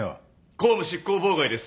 公務執行妨害です。